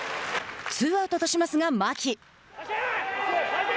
ツーアウトとしますが牧。